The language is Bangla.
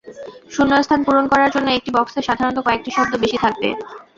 শূন্যস্থান পূরণ করার জন্য একটি বক্সে সাধারণত কয়েকটি শব্দ বেশি থাকবে।